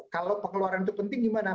kalau pengeluaran itu penting gimana